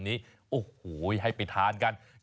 จะให้ไปทานกัน